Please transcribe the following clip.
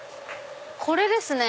これですね！